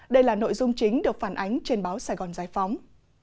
đây là nội dung chính được phản ánh trên báo sài gòn giải phóng